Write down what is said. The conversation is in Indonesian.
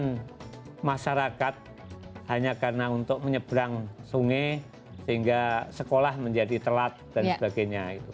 menyelamatkan masyarakat hanya karena untuk menyeberang sungai sehingga sekolah menjadi telat dan sebagainya